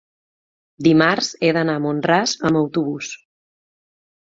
dimarts he d'anar a Mont-ras amb autobús.